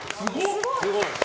すごい！